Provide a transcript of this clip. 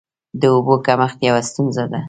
د اوبو کمښت یوه ستونزه ده.